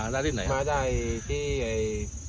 ได้ที่ไหนมาได้ที่อ่า